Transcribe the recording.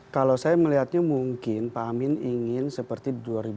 kalau saya melihatnya mungkin pak amin ingin seperti dua ribu dua puluh